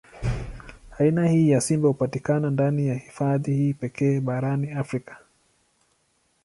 Aina hii ya simba hupatikana ndani ya hifadhi hii pekee barani Afrika.